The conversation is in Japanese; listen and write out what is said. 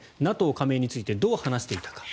ＮＡＴＯ加盟についてどう話していたか。